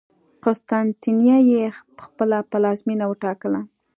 قسطنطنیه یې خپله پلازمېنه وټاکله.